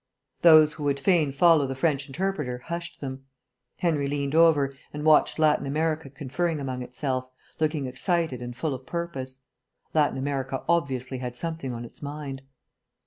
Those who would fain follow the French interpreter hushed them. Henry leant over, and watched Latin America conferring among itself, looking excited and full of purpose. Latin America obviously had something on its mind.